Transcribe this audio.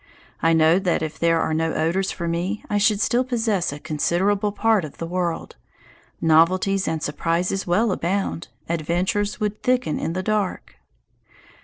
I know that if there were no odours for me I should still possess a considerable part of the world. Novelties and surprises would abound, adventures would thicken in the dark.